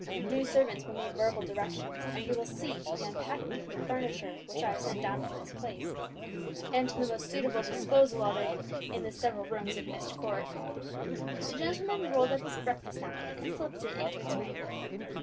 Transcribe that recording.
"New servants will need verbal directions; and you will see to the unpacking of the furniture which I have sent down from this place, and to the most suitable disposal of it in the several rooms of Myst Court." The gentleman rolled up his breakfast napkin, and slipped it into its ring.